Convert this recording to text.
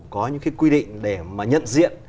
có những quy định để mà nhận diện